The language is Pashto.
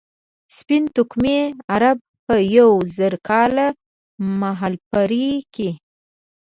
سپین توکمي عرب په یو زر کال مهالپېر کې.